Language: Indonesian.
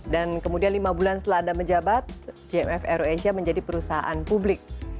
dan kemudian lima bulan setelah anda menjabat gmf aero asia menjadi perusahaan publik